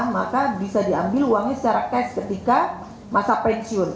maka bisa diambil uangnya secara cash ketika masa pensiun